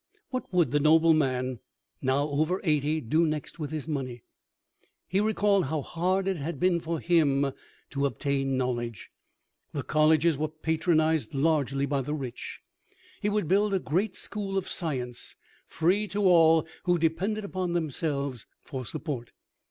What would the noble man, now over eighty, do next with his money? He recalled how hard it had been for him to obtain knowledge. The colleges were patronized largely by the rich. He would build a great School of Science, free to all who depended upon themselves for support.